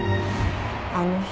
あの人